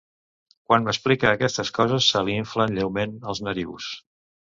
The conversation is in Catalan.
Quan m'explica aquestes coses se li inflen lleument els narius.